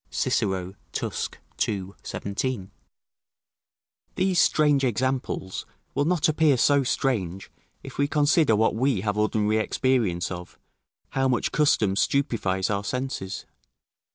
Cicero, Tusc., ii. 17] These strange examples will not appear so strange if we consider what we have ordinary experience of, how much custom stupefies our senses.